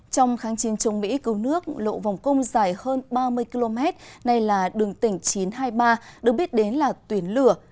trong kháng chiến chống mỹ cứu nước lộ vòng cung dài hơn ba mươi km nay là đường tỉnh chín trăm hai mươi ba được biết đến là tuyển lửa